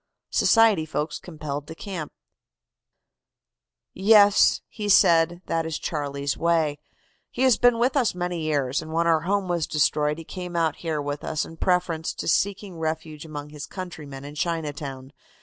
SOCIETY FOLKS COMPELLED TO CAMP. "'Yes,' he said, 'that is Charlie's way. He has been with us many years, and when our home was destroyed he came out here with us in preference to seeking refuge among his countrymen in Chinatown.